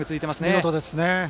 見事ですね。